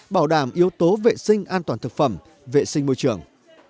bảo đảm yếu tố vệ sinh an toàn thực phẩm vệ sinh môi trường